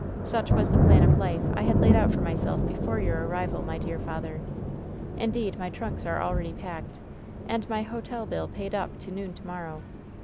Such was the plan of life I had laid out for my self before your arrival, my dear father. Indeed, my trunks are already packed and my hotel bill paid up to noon to morrow.